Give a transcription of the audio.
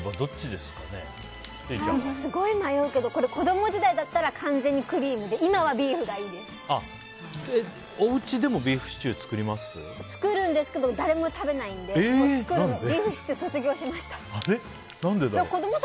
すごい迷うけど子供時代だったら完全にクリームでおうちでもビーフシチュー作るんですけど誰も食べないんでビーフシチュー卒業しました。